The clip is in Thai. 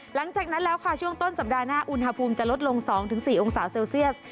หลังจากนั้นแล้วค่ะช่วงต้นสัปดาห์หน้าอุณหภูมิจะลดลง๒๔องศาเซลเซียส